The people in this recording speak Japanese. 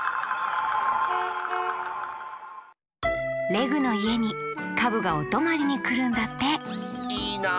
レグのいえにカブがおとまりにくるんだっていいな。